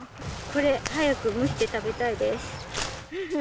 これ、早く蒸して食べたいです。